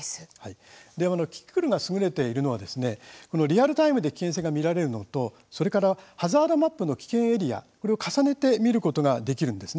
キキクルがすぐれているのはリアルタイムで検索結果が見られるのとハザードマップの危険エリアを重ねて見ることができるんです。